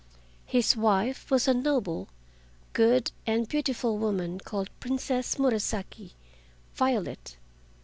His wife was a noble, good, and beautiful woman called Princess Murasaki (Violet).